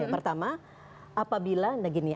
pertama apabila nah gini